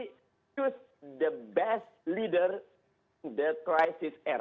pilih pemimpin terbaik di era krisis